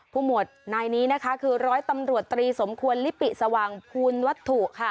ผู้หมวดในนี้นะคะคือร้อยตำรวจ๓สมควรลิปิสว่างภูณวัตถุ